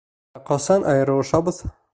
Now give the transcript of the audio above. Ә ҡасан айырылышабыҙ?